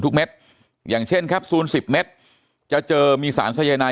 ทุกแม็ตช์อย่างเช่นครับสูนสิบแม็ตช์จะเจอมีสารไซยันไน